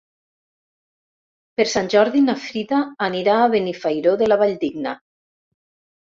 Per Sant Jordi na Frida anirà a Benifairó de la Valldigna.